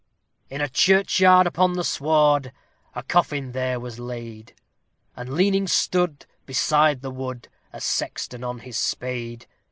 In a churchyard, upon the sward, a coffin there was laid, And leaning stood, beside the wood, a sexton on his spade.